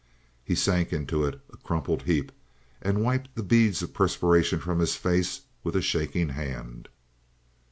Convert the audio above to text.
He sank into it a crumpled heap and wiped the beads of perspiration from his face with a shaking hand.